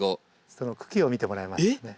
その茎を見てもらえますかね。